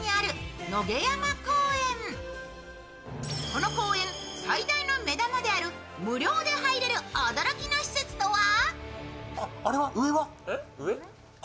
この公園、最大の目玉である無料で入れる驚きの施設とは？